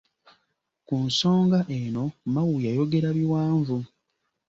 Ku nsonga eno Mao yayogera biwanvu.